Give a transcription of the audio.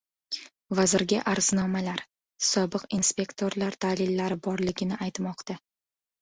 Vazirga arznomalar: Sobiq inspektorlar dalillari borligini aytmoqda